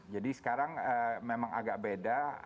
jadi sekarang memang agak beda